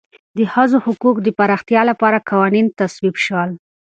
د ښځو حقوقو د پراختیا لپاره قوانین تصویب شول.